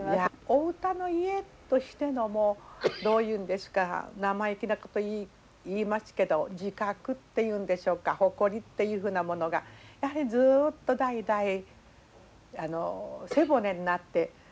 お歌の家としてのどういうんですか生意気なこと言いますけど自覚っていうんでしょうか誇りっていうふうなものがやはりずっと代々背骨になって伝わってらっしゃるんでございますよね。